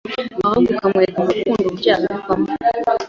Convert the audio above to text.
ahubwo ukamwereka mu rukundo uburyo yabivamo.